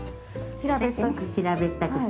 平べったくして。